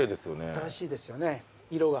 新しいですよね色が。